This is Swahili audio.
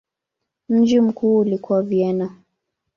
Mji mkuu ulikuwa Vienna.